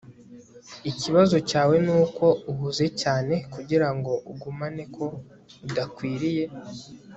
ikibazo cyawe nuko uhuze cyane kugirango ugumane ko udakwiriye